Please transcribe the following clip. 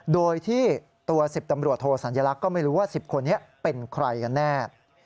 โดยที่ตัว๑๐ตำรวจโทสัญลักษณ์ก็ไม่รู้ว่า๑๐คนนี้เป็นใครกันแน่